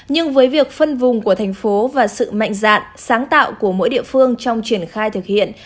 nhưng với việc phân vùng của thành phố và sự mạnh dạn sáng tạo của mỗi địa phương trong triển khai thực hiện